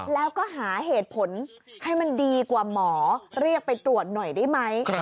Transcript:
แล้วก็หาเหตุผลให้มันดีกว่าหมอเรียกไปตรวจหน่อยได้ไหม